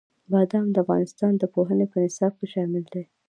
بادام د افغانستان د پوهنې په نصاب کې شامل دي.